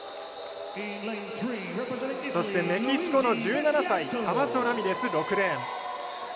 そして、メキシコの１７歳カマチョラミレス、６レーン。